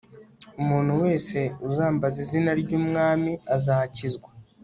umuntu wese uzambaza izina ry'umwami azakizwa